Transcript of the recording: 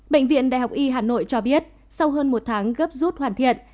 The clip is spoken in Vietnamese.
bệnh viện đại học y hà nội cho biết sau hơn một tháng gấp rút hoàn thiện